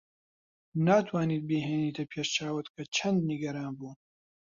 ناتوانیت بیهێنیتە پێش چاوت کە چەند نیگەران بووم.